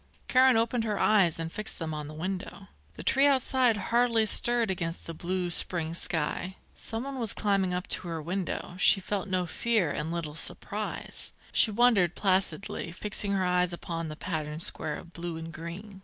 Karen opened her eyes and fixed them on the window. The tree outside hardly stirred against the blue spring sky. Someone was climbing up to her window. She felt no fear and little surprise. She wondered, placidly, fixing her eyes upon the patterned square of blue and green.